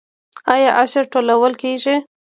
آیا عشر ټولول کیږي؟